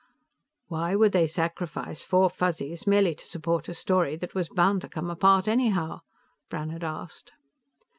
"Why would they sacrifice four Fuzzies merely to support a story that was bound to come apart anyhow?" Brannhard asked.